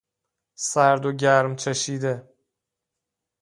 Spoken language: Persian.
سردوگرم چشیده